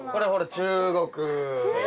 中国！